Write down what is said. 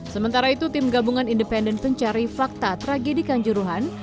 sementara itu tim gabungan independen pencari fakta tragedi kanjuruhan